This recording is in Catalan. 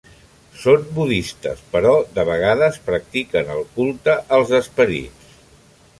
Són budistes però de vegades practiquen el culte als esperits.